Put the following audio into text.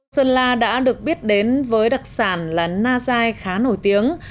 sơn la đã được biết đến với đặc sản là na dài khá nổi tiếng